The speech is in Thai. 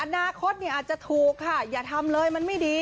อนาคตอาจจะถูกค่ะอย่าทำเลยมันไม่ดี